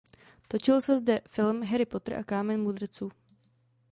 Točil se zde film "Harry Potter a Kámen mudrců".